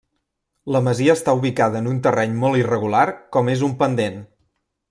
La masia està ubicada en un terreny molt irregular com és un pendent.